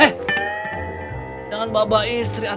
eh jangan bawa istri atau